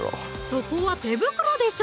そこは手袋でしょ！